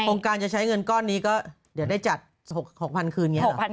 โครงการจะใช้เงินก้อนนี้ก็เดี๋ยวได้จัด๖๐๐๐คืนอย่างนี้เหรอ